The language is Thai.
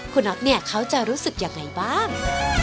คุณน็อตเนี่ยเขาจะรู้สึกยังไงบ้าง